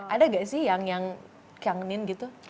ada nggak sih yang keangin gitu